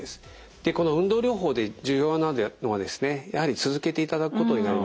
でこの運動療法で重要なのはですねやはり続けていただくことになります。